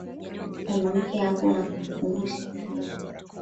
mwanamke hakuwa na kumbukumbu siku hiyo